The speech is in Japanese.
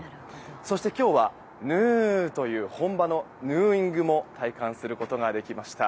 そして今日は、ヌーという本場のヌーイングも体感することができました。